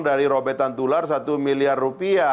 dari ropetan tular rp satu miliar